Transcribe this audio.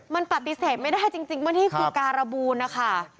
มันปฏิเสธไม่ได้จริงว่านี่คือการบูลนะคะ